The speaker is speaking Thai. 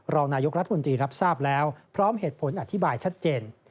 รองนายกรัฐมนตรีรับทราบแล้วพร้อมเหตุผลอธิบายชัดเจน